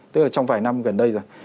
tức là trong vài năm gần đây rồi